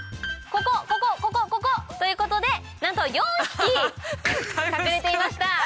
ここここここここ！ということでなんと４匹隠れていました。